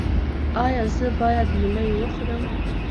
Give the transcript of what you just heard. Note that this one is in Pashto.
ایا زه باید ملی وخورم؟